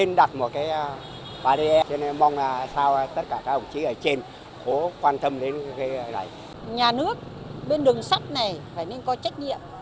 nhà nước bên đường sắt này phải nên có trách nhiệm